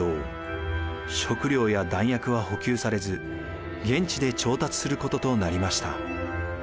食糧や弾薬は補給されず現地で調達することとなりました。